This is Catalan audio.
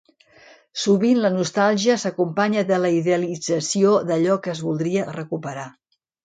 Sovint la nostàlgia s'acompanya de la idealització d'allò que es voldria recuperar.